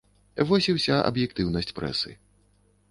Вось і ўся аб'ектыўнасць прэсы.